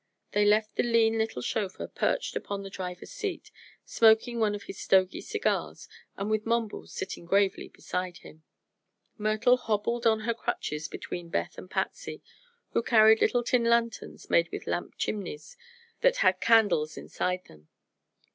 They left the lean little chauffeur perched upon the driver's seat, smoking one of his "stogie" cigars and with Mumbles sitting gravely beside him. Myrtle hobbled on her crutches between Beth and Patsy, who carried little tin lanterns made with lamp chimneys that had candles inside them.